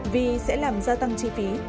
vì sẽ làm gia tăng chi phí